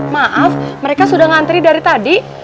maaf mereka sudah ngantri dari tadi